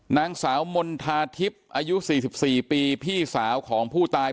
นางสาวมณฑาทิพย์อายุ๔๔ปีพี่สาวของผู้ตาย